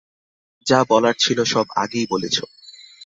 যা বলার ছিল, সব আগেই বলেছ।